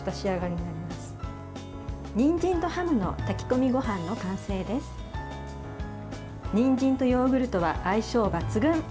にんじんとヨーグルトは相性バグツン。